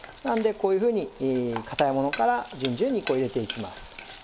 なのでこういうふうに硬いものから順々にこう入れていきます。